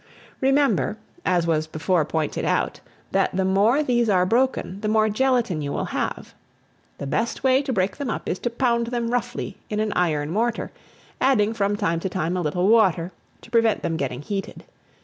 Remember, as was before pointed out, that the more these are broken, the more gelatine you will have. The best way to break them up is to pound them roughly in an iron mortar, adding, from time to time, a little water, to prevent them getting heated.